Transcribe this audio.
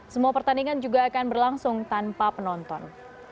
semua pertandingan juga akan berlangsung tanpa penonton